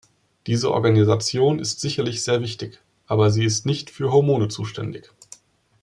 Diese Organisation ist sicherlich sehr wichtig, aber sie ist nicht für Hormone zuständig.